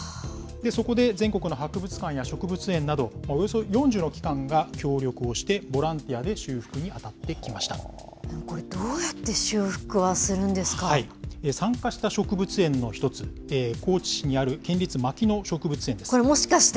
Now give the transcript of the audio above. そこで全国の博物館や植物園など、およそ４０の機関が協力をしてボランティアで修復に当たってきまこれ、どうやって修復はする参加した植物園の１つ、これもしかして？